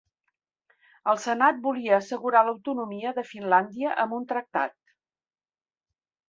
El Senat volia assegurar l'autonomia de Finlàndia amb un tractat.